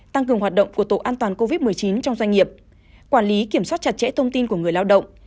tăng cường hoạt động của tổ an toàn covid một mươi chín trong doanh nghiệp quản lý kiểm soát chặt chẽ thông tin của người lao động